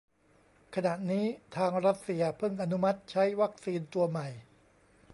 ขณะนี้ทางรัสเซียเพิ่งอนุมัติใช้วัคซีนตัวใหม่